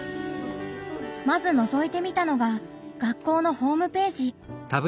まずのぞいてみたのが学校のホームページ。